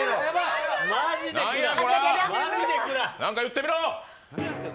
何か言ってみろ。